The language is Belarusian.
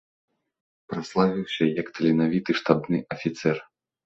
Праславіўся як таленавіты штабны афіцэр.